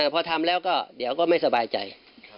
พอทำแล้วก็เดี๋ยวก็ไม่สบายใจ